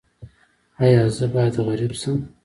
ایا زه باید غریب شم؟